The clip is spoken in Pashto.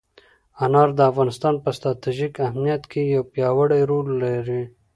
انار د افغانستان په ستراتیژیک اهمیت کې یو پیاوړی رول لري.